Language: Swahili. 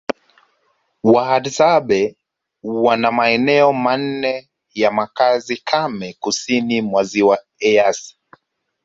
Wahadzabe wana maeneo manne ya makazi kame kusini mwa Ziwa Eyasi